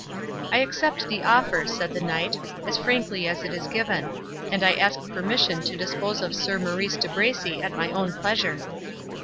"I accept the offer," said the Knight, "as frankly as it is given; and I ask permission to dispose of Sir Maurice de Bracy at my own pleasure."